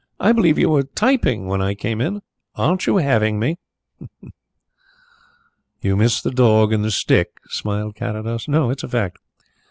I believe you were typing when I came....Aren't you having me?" "You miss the dog and the stick?" smiled Carrados. "No; it's a fact."